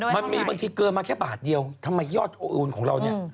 มันมีบางทีเกินมาแค่บาทเดียวทำไมยอดโอนของเราเนี่ย